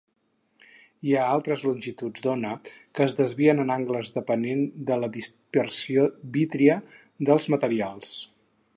Hi ha d'altres longituds d'ona que es desvien en angles depenent de la dispersió vítria dels materials.